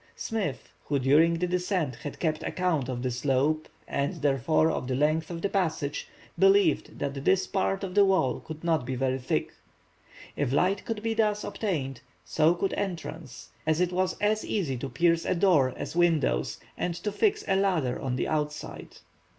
Smith, who during the descent had kept account of the slope, and therefore of the length of the passage, believed that this part of the wall could not be very thick. If light could be thus obtained, so could entrance, as it was as easy to pierce a door as windows, and to fix a ladder on the outside.